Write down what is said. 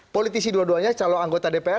politisi dua duanya calon anggota dpr